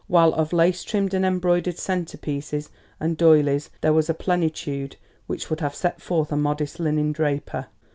While of lace trimmed and embroidered centre pieces and doylies there was a plenitude which would have set forth a modest linen draper.